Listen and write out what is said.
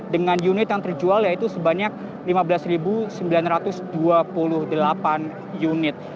dengan unit yang terjual yaitu sebanyak lima belas sembilan ratus dua puluh delapan unit